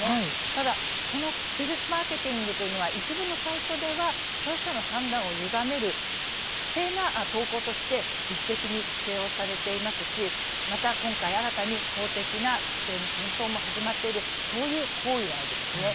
ただ、ステルスマーケティングというのは一部のサイトでは消費者の判断をゆがめる不正な投稿として自主的に規制をされていますしまた今回、新たに法的な規制の検討も始まっているそういう行為なわけですね。